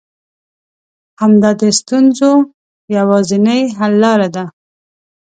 همدا د ستونزو يوازنۍ حل لاره ده.